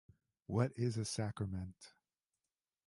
What is a sacrament?